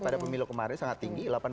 pada pemilu kemarin sangat tinggi